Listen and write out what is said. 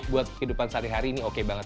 buat kehidupan sehari hari ini oke banget